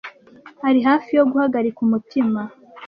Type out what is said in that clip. Ari hafi yo guhagarika umutima.